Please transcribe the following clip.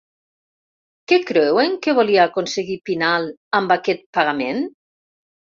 Què creuen que volia aconseguir Pinal amb aquest pagament?